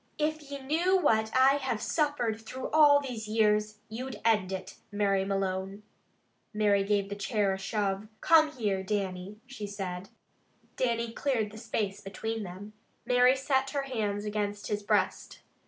If ye knew what I have suffered through all these years, you'd end it, Mary Malone." Mary gave the chair a shove. "Come here, Dannie," she said. Dannie cleared the space between them. Mary set her hands against his breast.